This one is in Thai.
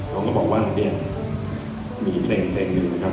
เราก็บอกว่าเฮียมีเพลงหนึ่งนะครับ